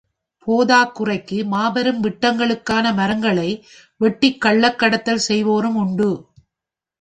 போதாக் குறைக்கு, மாபெரும் விட்டங்களுக்கான மரங்களை வெட்டிக் கள்ளக் கடத்தல் செய்வோரும் உண்டு.